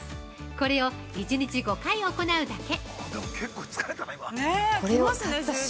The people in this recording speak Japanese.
これを１日５回行うだけ。